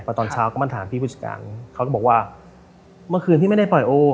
ตอนเช้าก็มาถามพี่ผู้จัดการเขาก็บอกว่าเมื่อคืนพี่ไม่ได้ปล่อยโอ